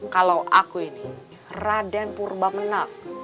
kalau aku ini raden purba mena